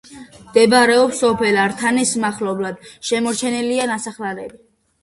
მდებარეობს სოფელ ართანის მახლობლად, შემორჩენილია ნასახლარები.